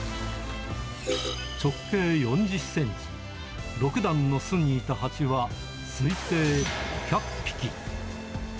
直径４０センチ、６段の巣にいたハチは、推定５００匹。